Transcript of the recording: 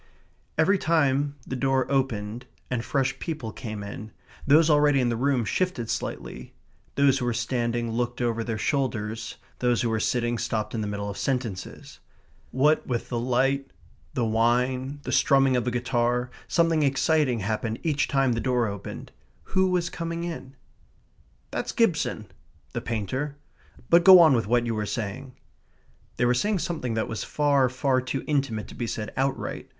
Every time the door opened and fresh people came in, those already in the room shifted slightly; those who were standing looked over their shoulders; those who were sitting stopped in the middle of sentences. What with the light, the wine, the strumming of a guitar, something exciting happened each time the door opened. Who was coming in? "That's Gibson." "The painter?" "But go on with what you were saying." They were saying something that was far, far too intimate to be said outright.